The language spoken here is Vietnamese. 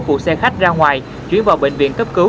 phụ xe khách ra ngoài chuyển vào bệnh viện cấp cứu